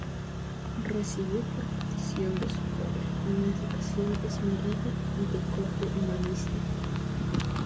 Recibió por petición de su padre una educación esmerada y de corte humanista.